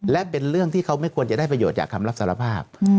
และเป็นเรื่องที่เขาไม่ควรจะได้ประโยชน์จากคำรับสารภาพ